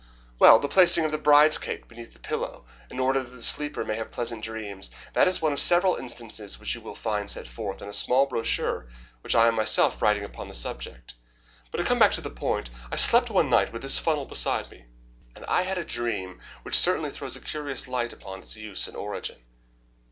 "Well, the placing of the bride's cake beneath the pillow in order that the sleeper may have pleasant dreams. That is one of several instances which you will find set forth in a small brochure which I am myself writing upon the subject. But to come back to the point, I slept one night with this funnel beside me, and I had a dream which certainly throws a curious light upon its use and origin."